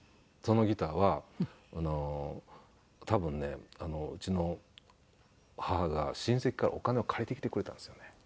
そのギターは多分ねうちの母が親戚からお金を借りてきてくれたんですよね。